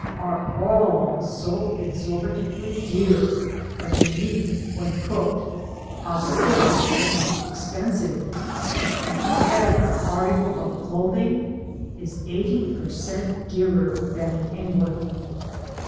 are all so exorbitantly dear, that the meat when cooked poritively becomes expensive; and every article of clothing is eighty per cent, dearer than in England.